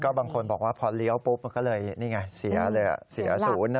บางคนบอกว่าพอเลี้ยวปุ๊บมันก็เลยนี่ไงเสียเลยเสียศูนย์นะ